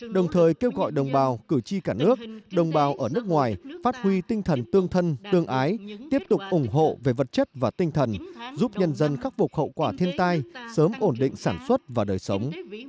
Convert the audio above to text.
đồng thời kêu gọi đồng bào cử tri cả nước đồng bào ở nước ngoài phát huy tinh thần tương thân tương ái tiếp tục ủng hộ về vật chất và tinh thần giúp nhân dân khắc phục hậu quả thiên tai sớm ổn định sản xuất và đời sống